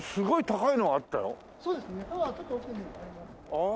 ああ。